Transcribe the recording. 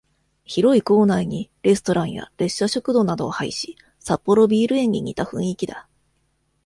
広い構内に、レストランや、列車食堂などを配し、札幌ビール園に似た雰囲気だ。